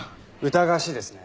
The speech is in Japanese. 疑わしいですね。